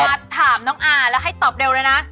ถามน้องอาแล้วให้ตอบเร็วเลยนะ